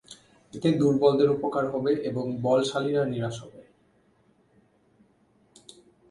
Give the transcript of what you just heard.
এতে দুর্বলদের উপকার হবে এবং বলশালীরা নিরাশ হবে।